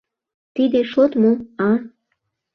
Тиде шот мо, а?